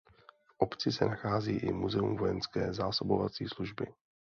V obci se nachází i muzeum vojenské zásobovací služby.